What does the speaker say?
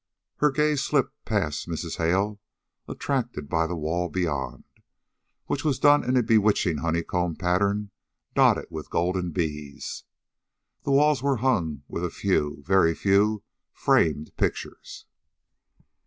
Her gaze slipped past Mrs. Hale, attracted by the wall beyond, which was done in a bewitching honeycomb pattern dotted with golden bees. The walls were hung with a few, a very few, framed pictures.